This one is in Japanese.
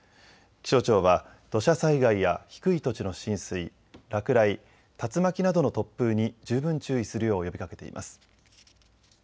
気象庁は土砂災害や低い土地の浸水、落雷、竜巻などの突風に十分注意するよう呼びかけています。